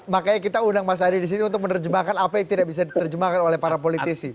makanya kita undang mas adi disini untuk menerjemahkan apa yang tidak bisa diterjemahkan oleh para politisi